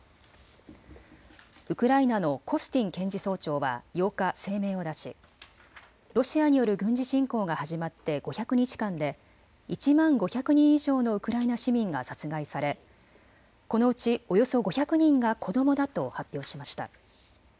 ウクライナのコスティン検事総長は８日、声明を出しロシアによる軍事侵攻が始まって５００日間で１万５００人以上のウクライナ市民が殺害されこのうちおよそ５００人が子どもだと発表しました。